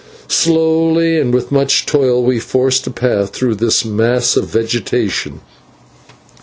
Slowly and with much toil we forced a path through this mass of vegetation.